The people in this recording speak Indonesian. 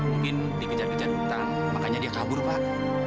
mungkin dikejar kejar hutan makanya dia kabur pak